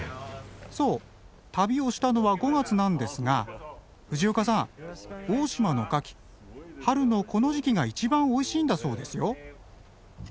そう旅をしたのは５月なんですが藤岡さん大島のカキ春のこの時期が一番おいしいんだそうですよ。